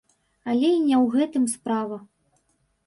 Але і не ў гэтым справа.